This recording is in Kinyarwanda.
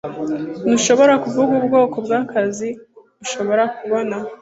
Ntushobora kuvuga ubwoko bw'akazi ushobora kubona.